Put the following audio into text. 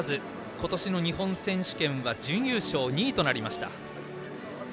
今年の日本選手権は準優勝２位となりました。